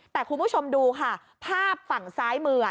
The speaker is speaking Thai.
แต่คุณผู้ชมดูค่ะภาพฝั่งซ้ายมือ